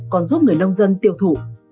còn giúp người nông dân tiêu thụ